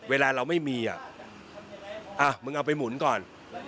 เวลาเราไม่มีอ่ะมึงเอาไปหมุนก่อน